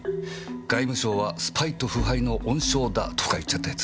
「外務省はスパイと腐敗の温床だ」とか言っちゃったやつ。